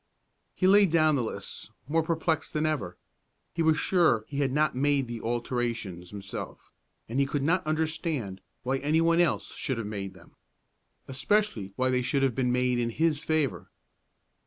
He laid down the lists, more perplexed than ever. He was sure he had not made the alterations himself, and he could not understand why any one else should have made them, especially why they should have been made in his favor.